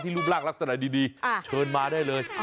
รูปร่างลักษณะดีเชิญมาได้เลย